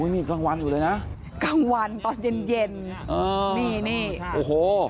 มีกลางวันอยู่เลยนะกลางวันตอนเย็นนี่โอ้โห